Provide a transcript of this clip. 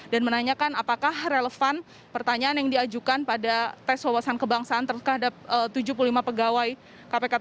dan menanyakan apakah relevan pertanyaan yang diajukan pada tes wawasan kebangsaan terhadap tujuh puluh lima pegawai kpk tersebut